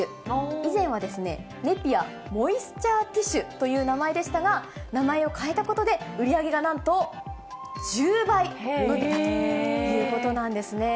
以前は、ネピアモイスチャーティシュという名前でしたが、名前を変えたことで、売り上げがなんと１０倍伸びたということなんですね。